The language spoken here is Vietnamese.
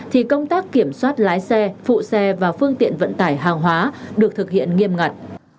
thì công tác kiểm soát lái xe phụ xe và phương tiện vận tải hàng hóa được thực hiện nghiêm ngặt